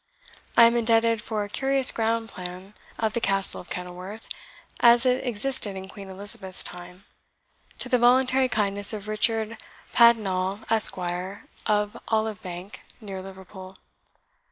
I am indebted for a curious ground plan of the Castle of Kenilworth, as it existed in Queen Elizabeth's time, to the voluntary kindness of Richard Badnall Esq. of Olivebank, near Liverpool.